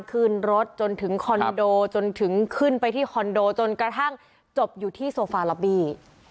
ขึ้นรถจนถึงคอนโดจนถึงขึ้นไปที่คอนโดจนกระทั่งจบอยู่ที่โซฟาล็อบบี้